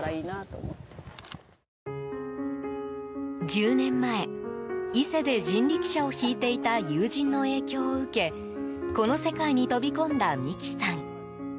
１０年前、伊勢で人力車を引いていた友人の影響を受けこの世界に飛び込んだ美希さん。